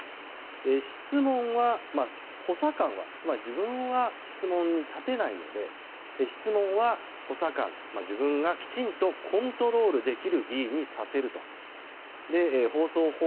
質問は、補佐官つまり自分は質問に立てないので質問は補佐官、自分がきちんとコントロールできる議員にさせると。